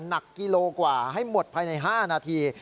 หนักกิโลกว่าให้หมดภายใน๕นาที